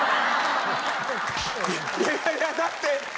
いやいやだって！